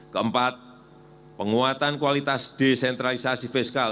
keempat penguatan kualitas desentralisasi fiskal